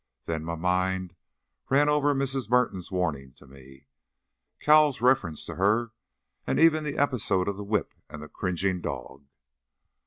Then my mind ran over Mrs. Merton's warning to me, Cowles' reference to her, and even the episode of the whip and the cringing dog.